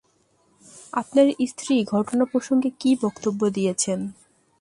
আপনার স্ত্রী ঘটনা প্রসঙ্গে কী বক্তব্য দিয়েছেন?